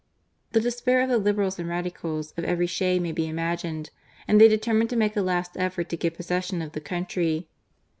The despair of the Liberals and Radicals of every shade may be imagined, and they determined to make a last effort to get possession of the country.